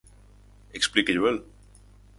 Explíquello a el.